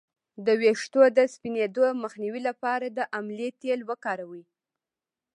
د ویښتو د سپینیدو مخنیوي لپاره د املې تېل وکاروئ